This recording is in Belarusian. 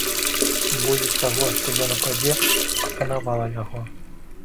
Боязь таго, што ён упадзе, апанавала яго.